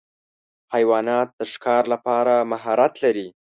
حیوانات د ښکار لپاره مهارت لري.